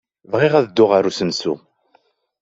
Bɣiɣ ad dduɣ ɣer usensu.